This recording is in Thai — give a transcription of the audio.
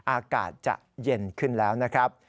อากาศจะเย็นขึ้นแล้วนะครับ